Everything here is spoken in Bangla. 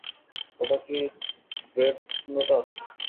ওটা কি ড্রেডনোটাস?